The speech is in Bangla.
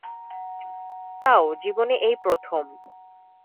তাও জীবনে এই প্রথম।